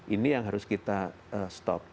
ini yang harus kita stop